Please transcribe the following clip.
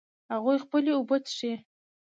هغوی خپلې اوبه څښي